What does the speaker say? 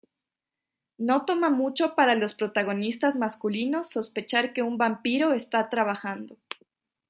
No toma mucho para los protagonistas masculinos sospechar que un vampiro está trabajando.